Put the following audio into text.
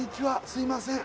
すいません